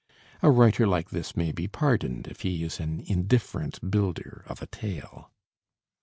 A writer like this may be pardoned if he is an indifferent builder of a tale.